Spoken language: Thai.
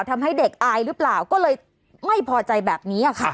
ทำให้เด็กอายหรือเปล่าก็เลยไม่พอใจแบบนี้ค่ะ